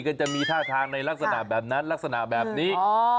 ก็จะมีท่าทางในลักษณะแบบนั้นลักษณะแบบนี้